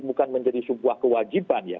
bukan menjadi sebuah kewajiban ya